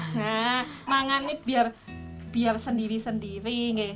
nah mangan ini biar sendiri sendiri